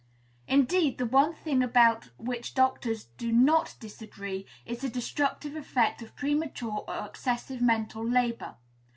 "Indeed, the one thing about which doctors do not disagree is the destructive effect of premature or excessive mental labor.